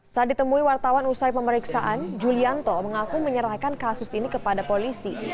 saat ditemui wartawan usai pemeriksaan julianto mengaku menyerahkan kasus ini kepada polisi